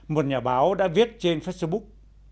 một nhà báo đã viết trên facebook